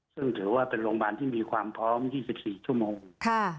ซึ่งถือว่าเป็นโรงพยาบาลที่มีความพร้อมยี่สิบสี่ชั่วโมงค่ะ